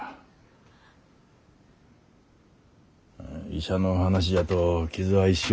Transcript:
医者の話じゃと傷は一生。